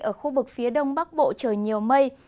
ở khu vực phía đông bắc bộ trời nhiều mây